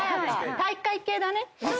体育会系だね。